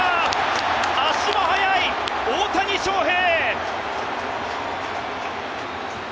足も速い大谷翔平！